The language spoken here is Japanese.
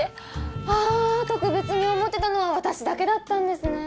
あぁ特別に思ってたのは私だけだったんですね。